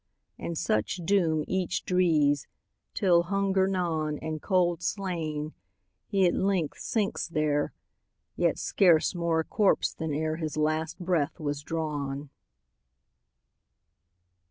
And such doom each drees, Till, hunger gnawn, And cold slain, he at length sinks there, Yet scarce more a corpse than ereHis last breath was drawn.